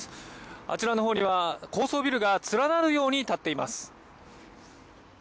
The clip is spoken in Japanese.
あちらのほうには高層ビルが連なるように建っています。